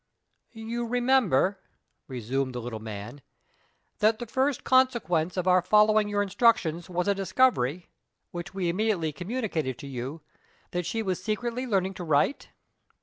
"You remember," resumed the little man, "that the first consequence of our following your instructions was a discovery (which we immediately communicated to you) that she was secretly learning to write?"